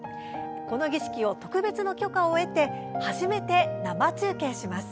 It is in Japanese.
この儀式を特別の許可を得て初めて生中継します。